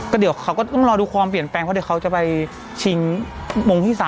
เดี๋ยวเขาก็ต้องรอดูความเปลี่ยนแปลงเพราะเดี๋ยวเขาจะไปชิงมงที่๓